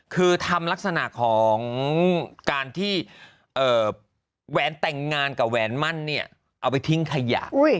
คือทำลักษณะของการที่แหวนแต่งงานกับแหวนมั่นเนี่ยเอาไปทิ้งขยะ